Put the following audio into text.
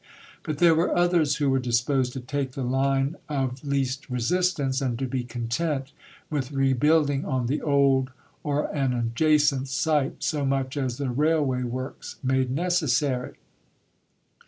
But there were others who were disposed to take the line of least resistance, and to be content with rebuilding on the old or an adjacent site so much as the railway works made necessary.